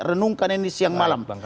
renungkan ini siang malam